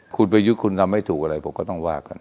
คุณประยุทธ์คุณทำไม่ถูกอะไรผมก็ต้องว่ากัน